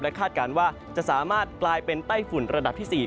คาดการณ์ว่าจะสามารถกลายเป็นไต้ฝุ่นระดับที่๔